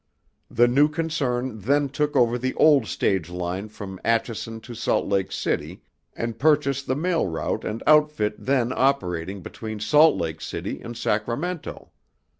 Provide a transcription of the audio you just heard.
The new concern then took over the old stage line from Atchison to Salt Lake City and purchased the mail route and outfit then operating between Salt Lake City and Sacramento.